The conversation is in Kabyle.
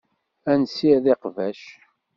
Ad nessired iqbac.